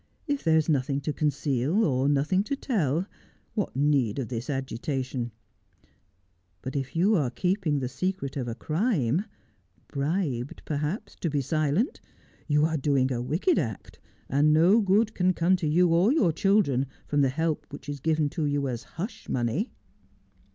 ' If there is nothing to conceal, or nothing to tell, what need of this agitation ? But if you are keeping the secret of a crime — bribed perhaps to be silent — you are doing a wicked act, and no good can come to you or your children from the help which is given you as hush money.'